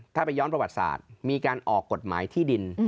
ถ้าไปย้อนประวัติศาสตร์มีการออกกฎหมายที่ดิน